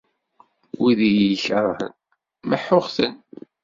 Wid i iyi-ikerhen, meḥḥuɣ-ten.